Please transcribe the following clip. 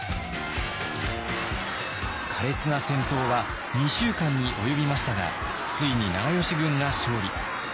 苛烈な戦闘は２週間に及びましたがついに長慶軍が勝利。